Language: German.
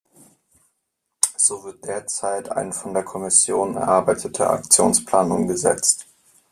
So wird derzeit ein von der Kommission erarbeiteter Aktionsplan umgesetzt.